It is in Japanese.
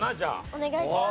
お願いします。